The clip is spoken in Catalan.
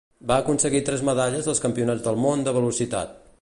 Va aconseguir tres medalles als Campionats del món de velocitat.